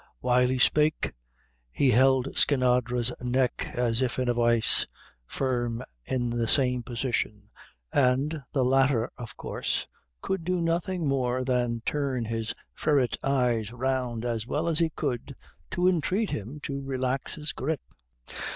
While he spake, he held Skinadre's neck as if in a vice firm in the same position and the latter, of course, could do nothing more than turn his ferret eyes round as well as he could, to entreat him to relax his grip.